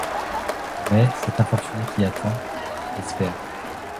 Mais cet infortuné qui attend, qui espère !